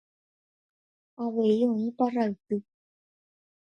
Avei oĩ parralty.